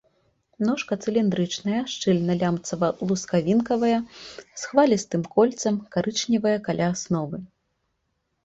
Ножка цыліндрычная, шчыльна лямцава-лускавінкавая, з хвалістым кольцам, карычневая каля асновы.